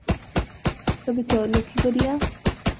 তবে চলে কী করিয়া?